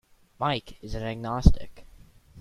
Mike is an agnostic.